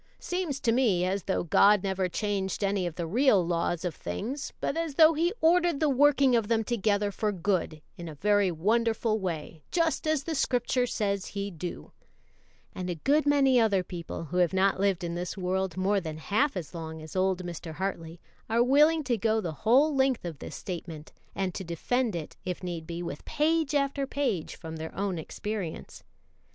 Seems to me as though God never changed any of the real laws of things, but as though He ordered the working of them together for good in a very wonderful way, just as the Scripture says He do;" and a good many other people, who have not lived in this world more than half as long as old Mr. Hartley, are willing to go the whole length of this statement, and to defend it, if need be, with page after page from their own experience.